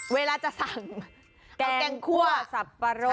เวลาจะสั่งข้าวแกงคั่วสับปะรด